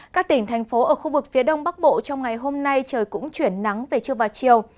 các tỉnh thành phố ở khu vực phía đông bắc bộ trong ngày hôm nay trời cũng chuyển nắng về trưa và chiều